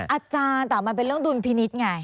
อ่าจ้าแต่มันเป็นเรื่องดุลพินิจไง